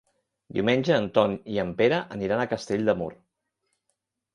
Diumenge en Ton i en Pere aniran a Castell de Mur.